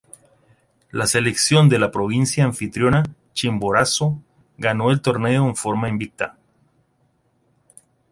La selección de la provincia anfitriona, Chimborazo, ganó el torneo forma invicta.